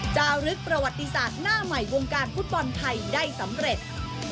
จารึกประวัติศาสตร์หน้าใหม่วงการฟุตบอลไทยได้สำเร็จ